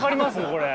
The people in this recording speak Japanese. これ。